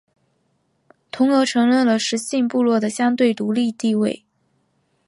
同俄承认了十姓部落的相对独立地位。